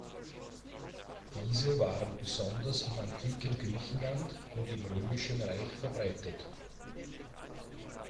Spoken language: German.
Diese waren besonders im antiken Griechenland und im Römischen Reich verbreitet.